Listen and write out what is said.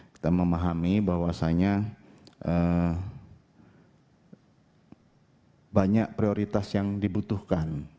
kita memahami bahwasannya banyak prioritas yang dibutuhkan